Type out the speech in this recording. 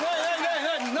何？